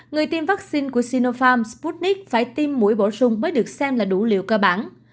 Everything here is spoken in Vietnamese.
người tiêm vaccine của sinopharm sputnik phải tiêm mũi bổ sung mới được xem là đủ liều cơ bản